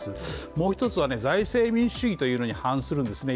もう一つはね財政民主主義というのに反するんですね